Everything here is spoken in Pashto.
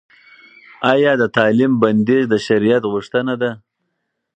ایا د تعلیم بندیز د شرعیت غوښتنه ده؟